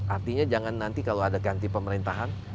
artinya jangan nanti kalau ada ganti pemerintahan